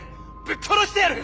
ぶっ殺してやる！